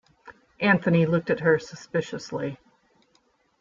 Anthony looked at her suspiciously.